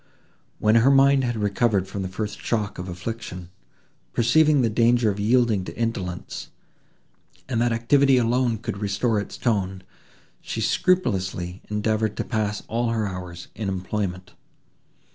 When her mind had recovered from the first shock of affliction, perceiving the danger of yielding to indolence, and that activity alone could restore its tone, she scrupulously endeavoured to pass all her hours in employment.